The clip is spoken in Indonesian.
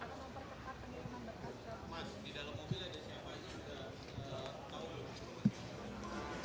mas di dalam mobil ada siapa aja yang sudah tahu